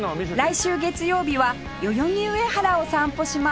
来週月曜日は代々木上原を散歩します